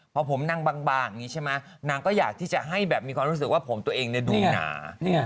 พอผมนางบางนี่ใช่มั้ยนางก็อยากที่จะให้แบบมีความรู้สึกว่าผมตัวเองเนี่ยดูหนา